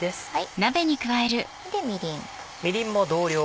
みりん。